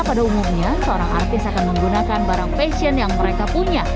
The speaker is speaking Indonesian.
pada umumnya seorang artis akan menggunakan barang fashion yang mereka punya